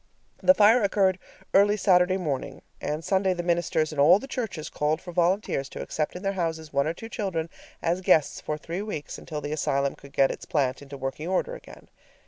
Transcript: The fire occurred early Saturday morning, and Sunday the ministers in all the churches called for volunteers to accept in their houses one or two children as guests for three weeks, until the asylum could get its plant into working order again.